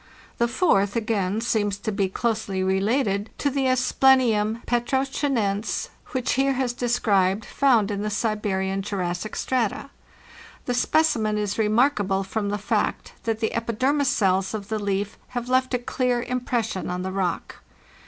The fourth, again, seems to be closely related THE JOURNEY SOCTHWARD 563 to the Asplentum (Petruschinense), which Heer has de scribed, found in the Siberian Jurassic strata. The speci men is remarkable from the fact that the epidermis cells of the leaf have left a clear impression on the rock.